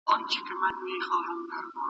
قلمي مبارزه غوره ده.